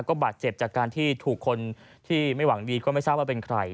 ก็บาดเจ็บจากการที่ถูกคนที่ไม่หวังดีก็ไม่ทราบว่าเป็นใคร